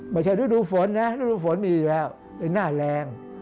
ไม่ใช่ฤดูฝนนะฤดูฝนมีอยู่แล้วเป็นหน้าแรง